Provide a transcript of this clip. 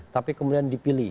tapi kemudian dipilih